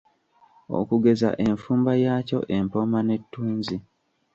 Okugeza enfumba yaakyo, empooma n’ettunzi.